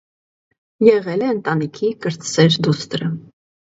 Եղել է ընտանիքի կրտսեր դուստրը։